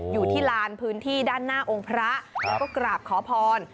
อยู่ที่ลานพื้นที่ด้านหน้าองค์พระแล้วก็กราบขอพร